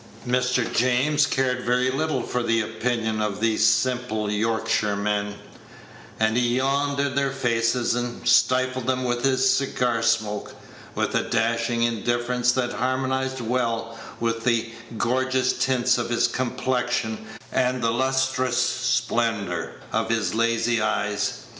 Mr. James cared very little for the opinion of these simple Yorkshiremen; and he yawned in their faces, and stifled them with his cigar smoke, with a dashing indifference that harmonized well with the gorgeous tints of his complexion and the lustrous splendor of his lazy eyes.